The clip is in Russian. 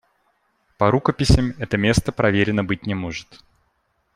По рукописям это место проверено быть не может.